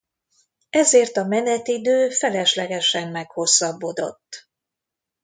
Ezért a menetidő feleslegesen meghosszabbodott.